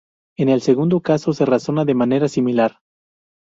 En el segundo caso se razona de manera similar.